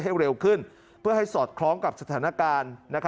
ให้เร็วขึ้นเพื่อให้สอดคล้องกับสถานการณ์